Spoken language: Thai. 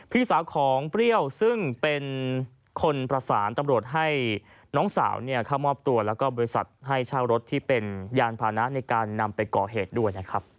พี่สาวของเปรี้ยวซึ่งเป็นคนประสานตำรวจให้น้องสาวเข้ามอบตัวแล้วก็บริษัทให้เช่ารถที่เป็นยานพานะในการนำไปก่อเหตุด้วยนะครับ